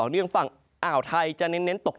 ในภาคฝั่งอันดามันนะครับ